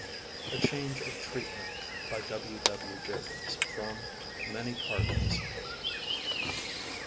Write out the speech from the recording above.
A CHANGE OF TREATMENT By W. W. JACOBS From "Many Cargoes."